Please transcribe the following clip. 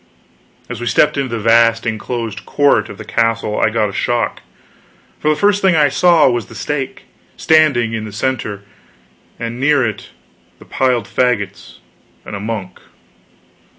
As we stepped into the vast enclosed court of the castle I got a shock; for the first thing I saw was the stake, standing in the center, and near it the piled fagots and a monk.